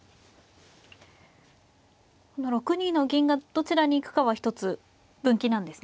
この６二の銀がどちらに行くかは一つ分岐なんですか。